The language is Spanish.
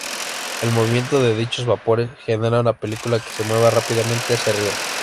El movimiento de dichos vapores genera una película que se mueve rápidamente hacia arriba.